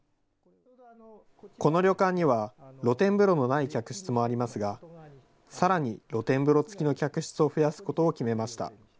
この旅館には、露天風呂のない客室もありますが、さらに露天風呂付きの客室を増やすことを決めました。